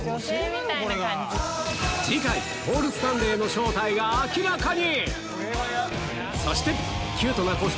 次回ポール・スタンレーの正体が明らかに！